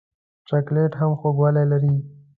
چاکلېټ هم خوږوالی لري.